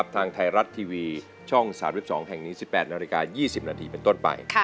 ทางไทยรัฐทีวีช่อง๓๒แห่งนี้๑๘นาฬิกา๒๐นาทีเป็นต้นไป